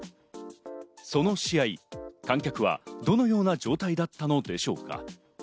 その試合、観客はどのような状態だったのでしょうか？